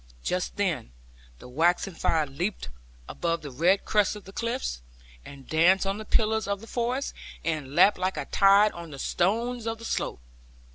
Just then the waxing fire leaped above the red crest of the cliffs, and danced on the pillars of the forest, and lapped like a tide on the stones of the slope.